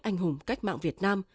anh hùng cách mạng việt nam